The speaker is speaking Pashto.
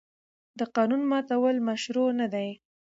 د قانون ماتول مشروع نه دي.